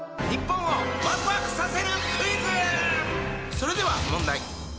それでは問題！